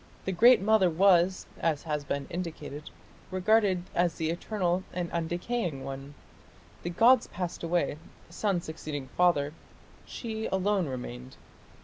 The Great Mother was, as has been indicated, regarded as the eternal and undecaying one; the gods passed away, son succeeding father; she alone remained.